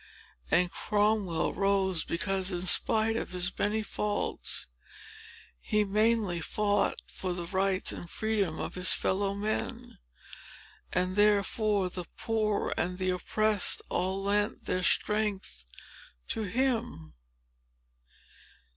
And Cromwell rose, because, in spite of his many faults, he mainly fought for the rights and freedom of his fellow men; and therefore the poor and the oppressed all lent their strength to him.